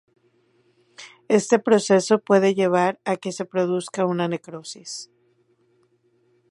Este proceso puede llevar a que se produzca una necrosis.